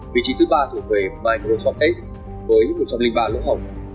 vị trí thứ ba thuộc về microsoft edge với một trăm linh ba lỗi hỏng